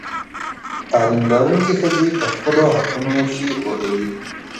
تعلیم لرونکې ښځې پر خپلو حقونو ښه پوهېږي.